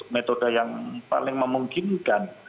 metode yang paling memungkinkan